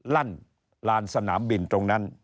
ลั่นลานสนามบินตรงนั้น